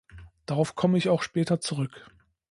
Darauf komme ich auch später zurück.